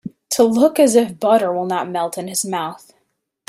To look as if butter will not melt in his mouth.